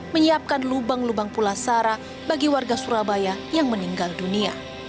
menyiapkan lubang lubang pulasara bagi warga surabaya yang meninggal dunia